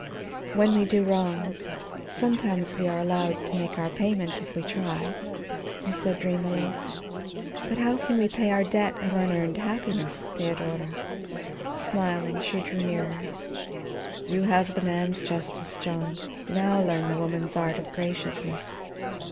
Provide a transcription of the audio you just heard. "When we do wrong, sometimes we are allowed to make our payment, if we try," he said dreamily. "But how can we pay our debt of unearned happiness, Theodora?" Smiling, she drew nearer. "You have the man's justice, John; now learn the woman's art of graciousness.